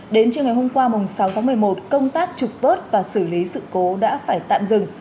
đến trưa ngày hôm qua sáu tháng một mươi một công tác trục vớt và xử lý sự cố đã phải tạm dừng